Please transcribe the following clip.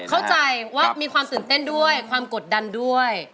เข้าใจว่ามีความตื่นเต้นด้วยความกดดันด้วย